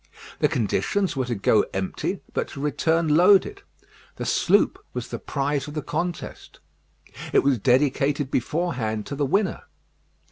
The conditions were to go empty, but to return loaded. The sloop was the prize of the contest. It was dedicated beforehand to the winner.